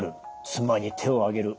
妻に手を上げる。